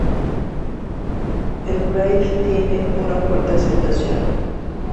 El bridge tiene una fuerte aceptación.